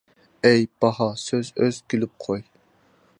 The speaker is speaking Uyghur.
ئەي. باھا سۆز ئۆز كۈلۈپ قوي!